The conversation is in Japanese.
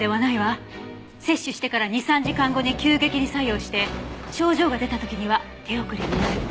摂取してから２３時間後に急激に作用して症状が出た時には手遅れになる。